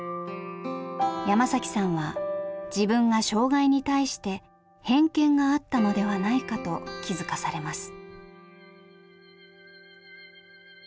山さんは自分が障害に対して偏見があったのではないかと気付かされます。